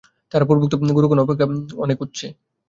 তাঁহারা পূর্বোক্ত গুরুগণ অপেক্ষা অনেক উচ্চে।